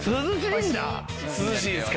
涼しいですか？